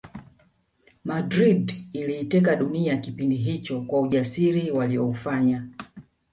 Madrid iliteka dunia kipindi hicho kwa usajiri waliyoufanya